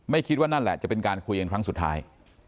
คิดว่านั่นแหละจะเป็นการคุยกันครั้งสุดท้าย